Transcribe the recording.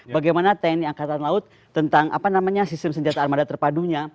bagaimana tni angkatan laut tentang sistem senjata armada terpadunya